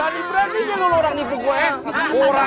padahal lo pembuka pukul dulu